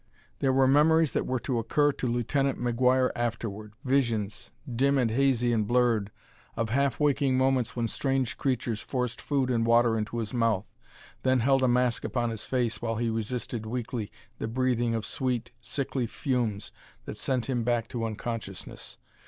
There were memories that were to occur to Lieutenant McGuire afterward visions, dim and hazy and blurred, of half waking moments when strange creatures forced food and water into his mouth, then held a mask upon his face while he resisted weakly the breathing of sweet, sickly fumes that sent him back to unconsciousness.